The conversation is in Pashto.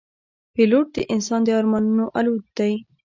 پیلوټ د انسان د ارمانونو الوت دی.